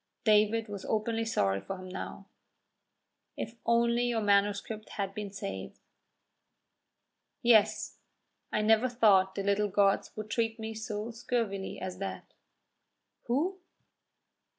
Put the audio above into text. David was openly sorry for him now. "If only your manuscript had been saved!" "Yes; I never thought the little gods would treat me so scurvily as that." "Who?"